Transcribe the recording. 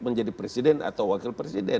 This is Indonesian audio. menjadi presiden atau wakil presiden